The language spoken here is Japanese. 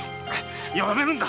やめるんだ！